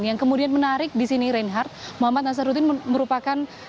yang kemudian menarik di sini reinhardt muhammad nazaruddin merupakan